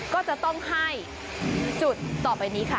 ก็จะต้องให้จุดต่อไปนี้ค่ะ